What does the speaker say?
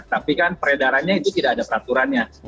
tapi kan peredarannya itu tidak ada peraturannya